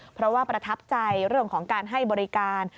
เพราะว่าประทับใจเรื่องของการให้บริการ